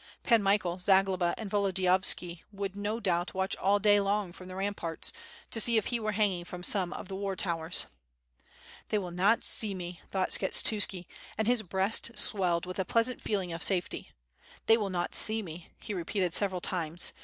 Pan Michael, Zagloba, and Vododiyovski would no doubt watch all day long from the ramparts to see if he were hanging from some of the war towers. "They will not see me," thought Skshetuski, and his breast swelled with a pleasant feeling of safety. "Thoy will not see me," he repeated several times.